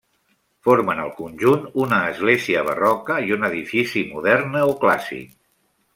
Formen el conjunt una església barroca i un edifici modern neoclàssic.